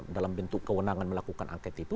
dalam bentuk kewenangan melakukan angket itu